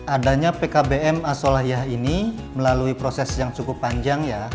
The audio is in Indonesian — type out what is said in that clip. adanya pkbm asolahiyah ini melalui proses yang cukup panjang ya